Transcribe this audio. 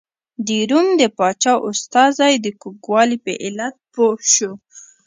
د روم د پاچا استازی د کوږوالي په علت پوه شو.